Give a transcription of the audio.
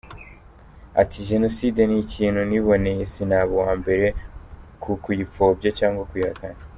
Ati “Jenoside ni ikintu niboneye sinaba uwa mbere ku kuyipfobya cyangwa kuyihakana”.